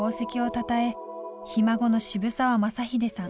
ひ孫の渋沢雅英さん